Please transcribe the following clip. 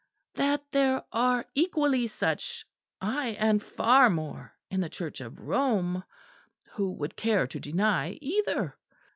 that there are equally such, aye, and far more, in the Church of Rome, who would care to deny, either?